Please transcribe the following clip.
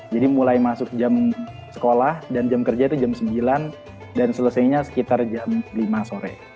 jadi mulai masuk jam sekolah dan jam kerja itu jam sembilan dan selesainya sekitar jam lima sore